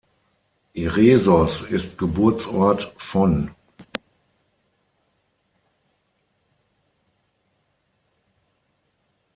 Eresos ist Geburtsort von